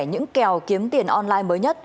những kèo kiếm tiền online mới nhất